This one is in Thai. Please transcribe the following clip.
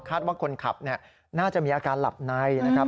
ว่าคนขับน่าจะมีอาการหลับในนะครับ